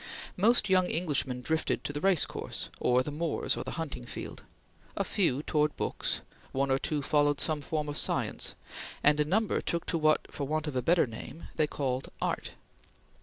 Most young Englishmen drifted to the race course or the moors or the hunting field; a few towards books; one or two followed some form of science; and a number took to what, for want of a better name, they called Art.